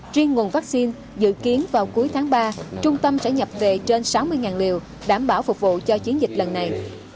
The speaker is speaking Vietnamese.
truyền nguồn vắc xin dự kiến vào cuối tháng ba trung tâm sẽ nhập về trên sáu mươi liều đảm bảo phục vụ cho chiến dịch lần này